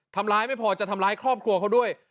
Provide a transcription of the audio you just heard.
ทำร้ายไม่พอจะทำร้ายครอบครัวเขาด้วย